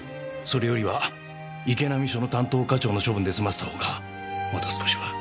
それよりは池波署の担当課長の処分で済ませたほうがまだ少しは。